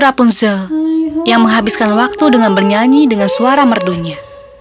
rapunzel yang menghabiskan waktu dengan bernyanyi dengan suara merdunya